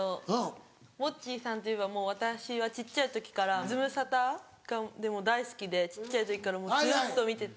モッチーさんといえばもう私は小っちゃい時から『ズムサタ』が大好きで小っちゃい時からずっと見てて。